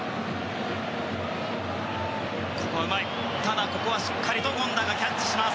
ただ、ここはしっかりと権田がキャッチします。